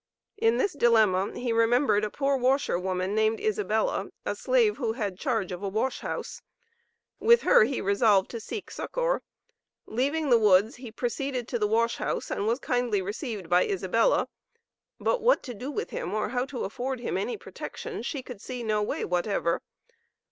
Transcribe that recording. In this dilemma he remembered a poor washer woman named Isabella, a slave who had charge of a wash house. With her he resolved to seek succor. Leaving the woods he proceeded to the wash house and was kindly received by Isabella, but what to do with him or how to afford him any protection she could see no way whatever.